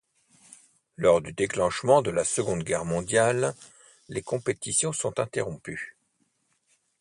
Lors du déclenchement de la Seconde Guerre mondiale, les compétitions sont interrompues.